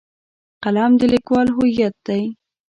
قلم د لیکوال هویت دی.